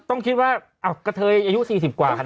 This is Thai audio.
ต้องคิดว่าก็เธออายุ๔๐กว่าค่ะ